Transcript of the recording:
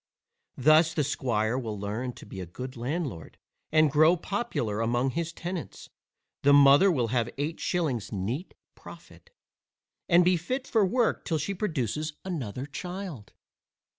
Thus the squire will learn to be a good landlord, and grow popular among his tenants, the mother will have eight shillings neat profit, and be fit for work till she produces another child.